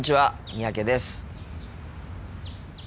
三宅です。